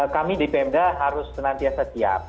kami di pemda harus senantiasa siap